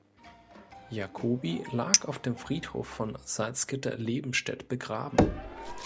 Jacobi lag auf dem Friedhof von Salzgitter-Lebenstedt begraben.